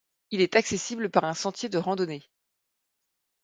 Il est accessible par un sentier de randonnée.